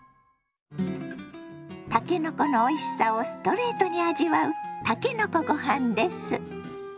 たけのこのおいしさをストレートに味わうたけのこご飯です。